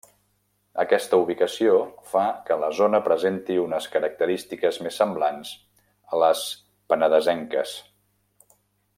Aquesta ubicació fa que la zona presenti unes característiques més semblants a les penedesenques.